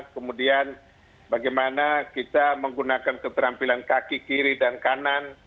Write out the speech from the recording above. kemudian bagaimana kita menggunakan keterampilan kaki kiri dan kanan